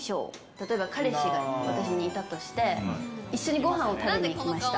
例えば、彼氏が私にいたとして、一緒にごはんを食べに行きました。